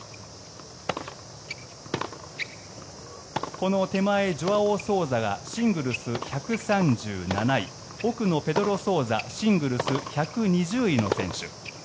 この手前、ジョアオ・ソウザがシングルス１３７位奥のペドロ・ソウザシングルス１２０位の選手。